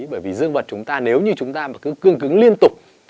bởi vì dương vật chúng ta nếu như chúng ta mà cứ cương cứng liên tục